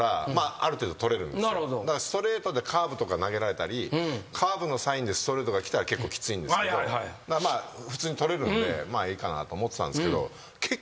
だからストレートでカーブとか投げられたりカーブのサインでストレートがきたら結構きついんですけど普通に捕れるんでまあええかなと思ってたんですけど。